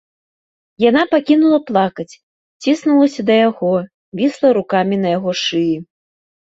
Яна пакінула плакаць, ціснулася да яго, вісла рукамі на яго шыі.